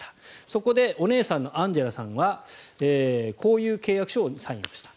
そこでお姉さんのアンジェラさんはこういう契約書にサインをした。